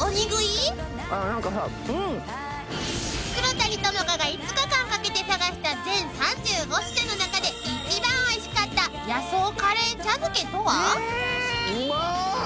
［黒谷友香が５日間かけて探した全３５品の中で一番おいしかった野草カレー茶漬けとは？］